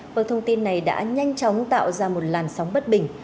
và thông tin này đã nhanh chóng tạo ra một làn sóng bất bình